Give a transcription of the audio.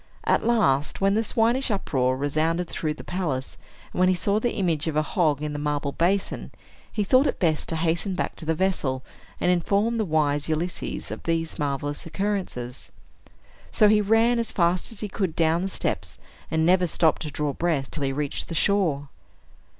At last, when the swinish uproar resounded through the palace, and when he saw the image of a hog in the marble basin, he thought it best to hasten back to the vessel, and inform the wise Ulysses of these marvelous occurrences. So he ran as fast as he could down the steps, and never stopped to draw breath till he reached the shore.